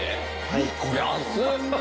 はい。